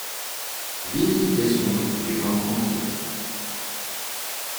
Vinification des vins tranquilles.